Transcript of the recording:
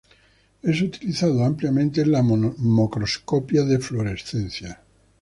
Es utilizado ampliamente en la microscopía de fluorescencia.